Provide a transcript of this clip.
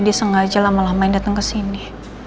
dia sengaja lama lamanya datang kesini